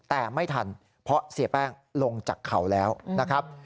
แต่ไม่ทันเพราะเสียแป้งลงจากเขาแล้วนะครับ